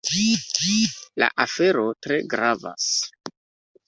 La afero tre gravas.